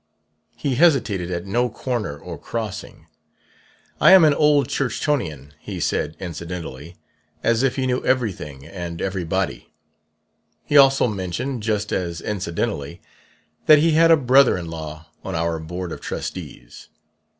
He hesitated at no corner or crossing. 'I am an old Churchtonian,' he said incidentally as if he knew everything and everybody. He also mentioned, just as incidentally, that he had a brother in law on our board of trustees.